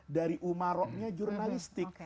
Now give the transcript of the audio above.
dari umaronya jurnalistik